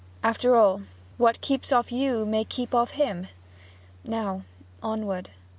After all, what keeps off you may keep off him. Now onward.'